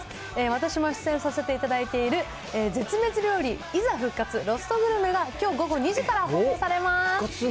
私も出演させていただいている、絶滅料理いざ復活、ロストグルメがきょう午後２時から放送されます。